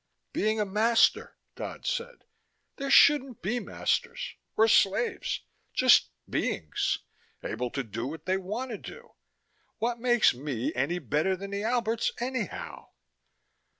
"Being a master," Dodd said. "There shouldn't be masters. Or slaves. Just beings, able to do what they want to do ... what makes me any better than the Alberts, anyhow?"